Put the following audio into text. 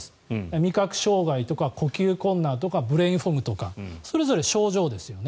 味覚障害とか呼吸困難とかブレインフォグとかそれぞれ症状ですよね。